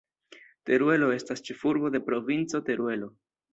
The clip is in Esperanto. Teruelo estas ĉefurbo de Provinco Teruelo.